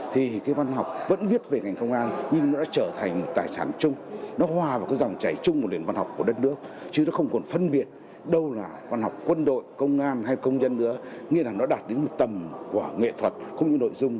thì cho tôi hết sức chú ý lắng nghe những ý kiến